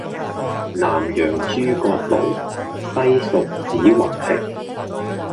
南陽諸葛廬，西蜀子雲亭